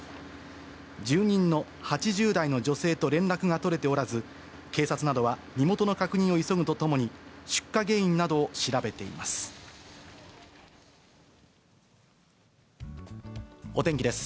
住人の８０代の女性と連絡が取れておらず、警察などは身元の確認を急ぐとともに、出火原因などを調べています。